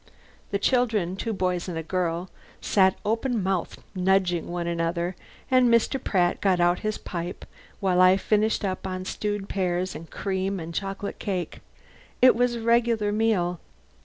The children (two boys and a girl) sat open mouthed, nudging one another, and Mr. Pratt got out his pipe while I finished up on stewed pears and cream and chocolate cake. It was a regular meal.